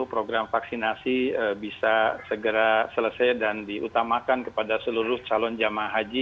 program vaksinasi bisa segera selesai dan diutamakan kepada seluruh calon jamaah haji